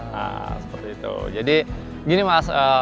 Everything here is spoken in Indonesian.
nah seperti itu jadi gini mas